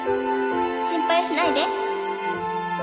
心配しないで。